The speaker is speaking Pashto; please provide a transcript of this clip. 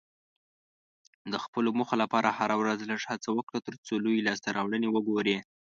د خپلو موخو لپاره هره ورځ لږه هڅه وکړه، ترڅو لویې لاسته راوړنې وګورې.